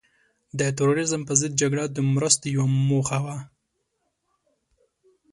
د تروریزم په ضد جګړه د مرستو یوه موخه وه.